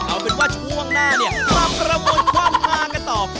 เอาเป็นว่าช่วงหน้านี้ความกระมวลความพลาดกระตอก